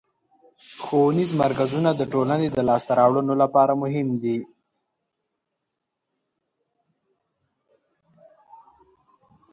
ښوونیز مرکزونه د ټولنې د لاسته راوړنو لپاره مهم دي.